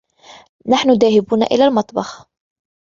نحن ذاهبون إلى المطبخ.